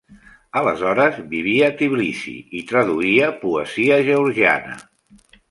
Aleshores, vivia a Tbilissi i traduïa poesia georgiana.